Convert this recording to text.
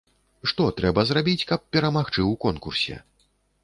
Што трэба зрабіць, каб перамагчы ў конкурсе?